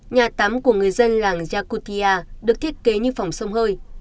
nhà tắm của người dân làng yakutia được thiết kế như phòng sông hơi